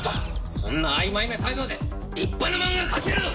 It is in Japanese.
そんな曖昧な態度で立派なマンガが描けるのか！